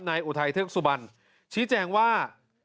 นายอุทัยเทศกสุบันชี้แจ้งว่า